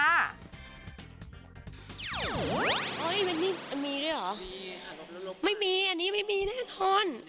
เฮ้ยมีด้วยเหรอไม่มีอันนี้ไม่มีแน่นอน